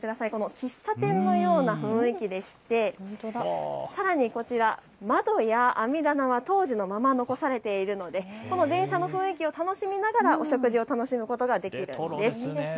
喫茶店のような雰囲気でしてさらにこちら、窓や網棚は当時のままで残されているので電車の雰囲気を楽しみながらお食事を楽しむことができるんです。